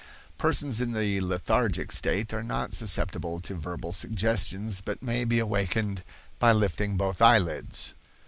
Persons in the lethargic state are not susceptible to verbal suggestions, but may be awakened by lifting both eyelids.